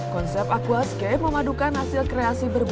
konsep aquascape memadukan hasil kreasi berbeda